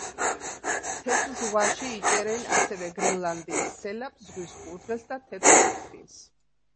თეთრ ზღვაში იჭერენ ასევე გრენლანდიის სელაპს, ზღვის კურდღელს და თეთრ დელფინს.